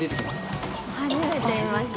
初めて見ました。